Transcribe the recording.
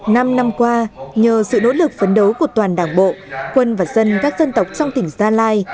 năm năm qua nhờ sự nỗ lực phấn đấu của toàn đảng bộ quân và dân các dân tộc trong tỉnh gia lai